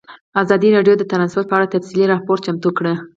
ازادي راډیو د ترانسپورټ په اړه تفصیلي راپور چمتو کړی.